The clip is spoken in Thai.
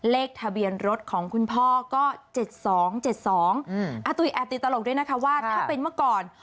เลขทะเบียนรถของคุณพ่อก็๗๒๗๒อาตุ๋ยแอบติดตลกด้วยนะคะว่าถ้าเป็นเมื่อก่อน